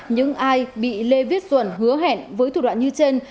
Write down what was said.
những ai bị lê viết duẩn hứa hẹn với thủ đoạn như trên